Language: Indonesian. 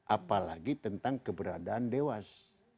apalagi tentang keberadaan dewas